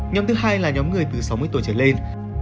nhóm thứ hai là nhóm người từ sáu mươi tuổi trở lên